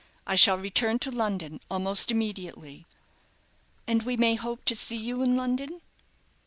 I shall return to London almost immediately." "And we may hope to see you in London?"